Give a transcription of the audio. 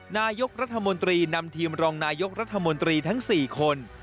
นายกรัฐมนตรีนำทีมรองนายกรัฐมนตรีทั้ง๔คน